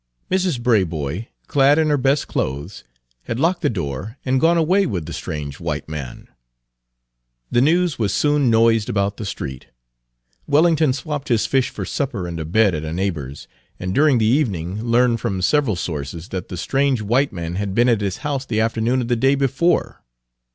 Mrs. Braboy, clad in her best clothes, had locked the door, and gone away with the strange white man. The news was soon noised about the street. Wellington swapped his fish for supper and a bed at a neighbor's, and during the evening learned from several sources that the strange white man had been at his house the afternoon of the day before.